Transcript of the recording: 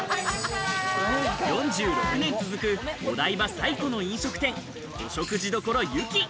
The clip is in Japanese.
４６年続くお台場最古の飲食店、お食事処ゆき。